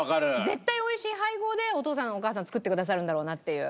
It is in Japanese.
絶対美味しい配合でお父さんお母さん作ってくださるんだろうなっていう。